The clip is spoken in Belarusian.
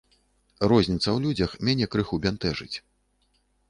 Розніца ў людзях мяне крыху бянтэжыць.